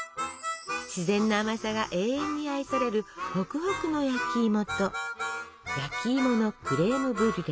自然な甘さが永遠に愛されるホクホクの焼きいもと焼きいものクレームブリュレ。